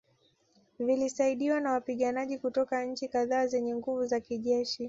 Vilisaidiwa na wapiganaji kutoka nchi kadhaa zenye nguvu za kijeshi